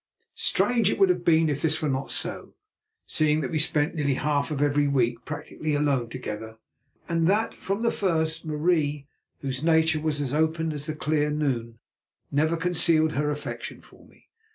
Strange would it have been if this were not so, seeing that we spent nearly half of every week practically alone together, and that, from the first, Marie, whose nature was as open as the clear noon, never concealed her affection for me.